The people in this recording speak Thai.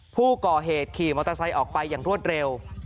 ผู้ก่อเหตุขี่มอเตอร์ไซค์ออกไปอย่างรวดเร็ว